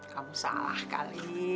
kamu salah kali